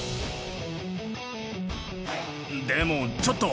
でもちょっと。